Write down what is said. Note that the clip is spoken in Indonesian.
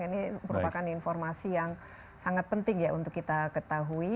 ini merupakan informasi yang sangat penting ya untuk kita ketahui